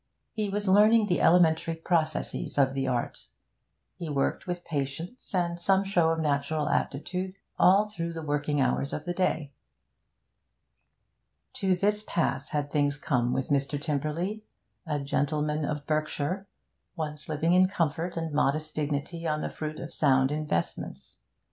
He was learning the elementary processes of the art. He worked with patience, and some show of natural aptitude, all through the working hours of the day. To this pass had things come with Mr. Tymperley, a gentleman of Berkshire, once living in comfort and modest dignity on the fruit of sound investments.